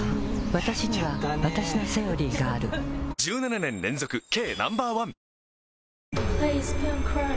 わたしにはわたしの「セオリー」がある１７年連続軽